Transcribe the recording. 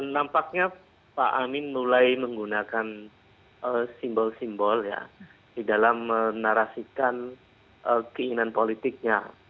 nampaknya pak amin mulai menggunakan simbol simbol ya di dalam menarasikan keinginan politiknya